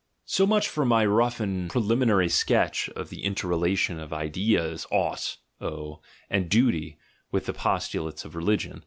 So much for my rough and preliminary sketch of the interrelation of the ideas "ought" (owe) and "duty" with the postulates of religion.